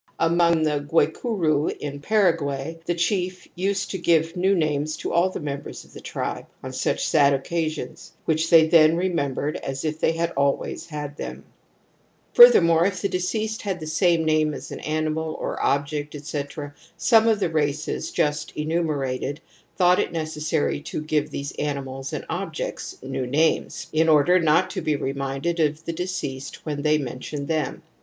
Among the Guayciuni in Paraguay the chief used to give new names to all the members of the tribe, on such sad occasions, which they then remembered as if they had always had them*i. Furthermore, if the deceased had the same name as an animal or object, etc., some of the ^^ ErasBer, he, p. 357, accoidiug to an old Spanish obserrer 1732. THE AMBIVALENCE OF EMOTIONS 85 races just enumerated thoiight it necessary to give these animals and objects new names, in order not to be reminded of the deceased when they mentioned them.